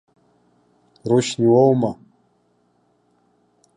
Рушьни уоума?